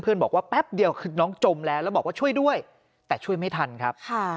บอกว่าแป๊บเดียวคือน้องจมแล้วแล้วบอกว่าช่วยด้วยแต่ช่วยไม่ทันครับ